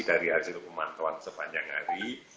dari hasil pemantauan sepanjang hari